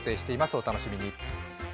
お楽しみに。